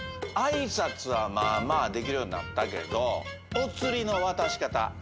挨拶はまあまあできるようになったけどお釣りの渡し方。